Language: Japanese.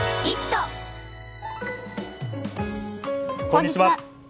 こんにちは。